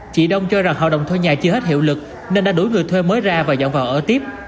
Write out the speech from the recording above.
chị đông cho rằng hợp đồng thuê nhà chưa hết hiệu lực nên đã đổi người thuê mới ra và dọn vào ở tiếp